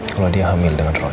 kalau dia hamil dengan roy